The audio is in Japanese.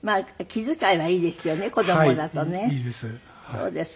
そうですか。